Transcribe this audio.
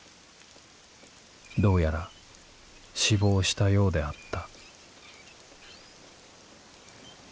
どうやら死亡したようであった」。